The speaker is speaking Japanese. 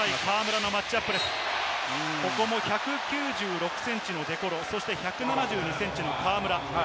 ここも１９６ｃｍのデ・コロ、そして１７２ｃｍの河村。